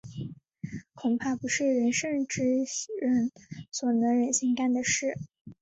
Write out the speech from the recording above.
恐怕不是仁圣之人所能忍心干的事。